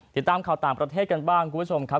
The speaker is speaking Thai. ติดตามข่าวต่างประเทศกันบ้างคุณผู้ชมครับ